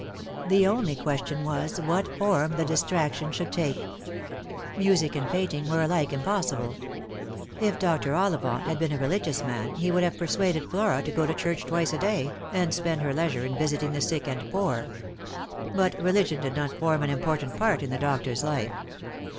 The only question was what form the distrac tion should take. Music and painting were alike impossible. If Doctor Ollivant had been a religious man he would have per suaded Flora to go to church twice a day, and spend her leisure in visiting the sick and poor. But religion did not form an important part in the doctor's life.